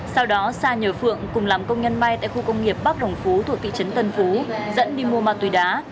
sau đó sa nhờ phượng cùng làm công nhân may tại khu công nghiệp bắc đồng phú thuộc thị trấn tân phú dẫn đi mua ma túy đá